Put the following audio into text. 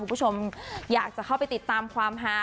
คุณผู้ชมอยากจะเข้าไปติดตามความฮา